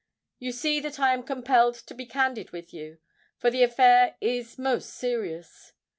You see that I am compelled to be candid with you—for the affair is most serious.